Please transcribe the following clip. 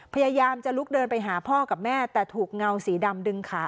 พยายามจะลุกเดินไปหาพ่อกับแม่แต่ถูกเงาสีดำดึงขา